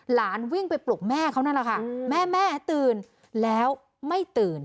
หลานวิ่งไปปลุกแม่เขานั่นแหละค่ะแม่แม่ตื่นแล้วไม่ตื่น